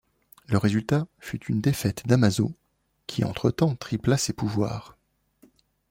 Le résultat fut une défaite d'Amazo, qui entretemps tripla ses pouvoirs.